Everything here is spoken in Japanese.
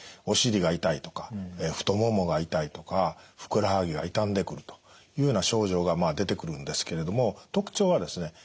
お尻が痛いとか太ももが痛いとかふくらはぎが痛んでくるというような症状が出てくるんですけれども特徴はですね